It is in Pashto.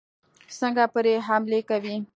څنګه پرې حملې کوي.